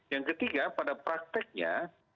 yang ketiga pada prakteknya